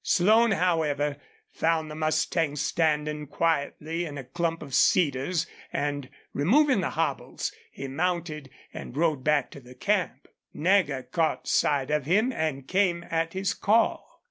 Slone, however, found the mustang standing quietly in a clump of cedars, and, removing the hobbles, he mounted and rode back to camp. Nagger caught sight of him and came at his call.